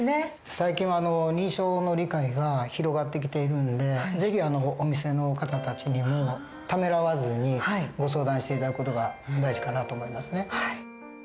最近は認知症の理解が広がってきているんで是非お店の方たちにもためらわずにご相談して頂く事が大事かなと思いますね。